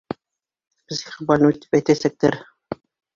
Психбольной тип әйтәсәктәр.